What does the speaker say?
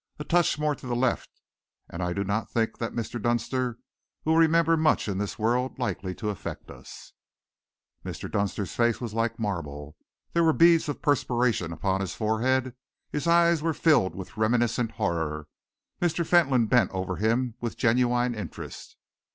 A touch more to the left and I do not think that Mr. Dunster will remember much in this world likely to affect us." Mr. Dunster's face was like marble. There were beads of perspiration upon his forehead, his eyes were filled with reminiscent horror. Mr. Fentolin bent over him with genuine interest.